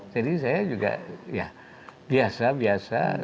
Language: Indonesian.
jadi saya juga biasa biasa